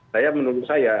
saya menurut saya